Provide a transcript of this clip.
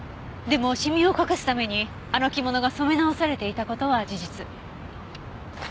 でもシミを隠すためにあの着物が染め直されていた事は事実。